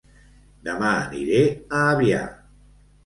Dema aniré a Avià